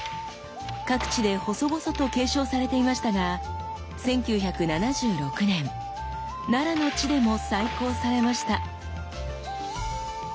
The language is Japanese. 各地で細々と継承されていましたが１９７６年奈良の地でも再興されました。